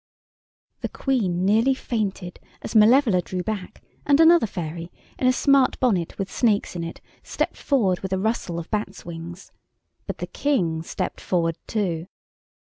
The Queen nearly fainted as Malevola drew back, and another fairy, in a smart bonnet with snakes in it, stepped forward with a rustle of bats' wings. But the King stepped forward too.